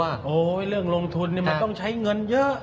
เรื่องลงทุนมันต้องใช้เงินเยอะ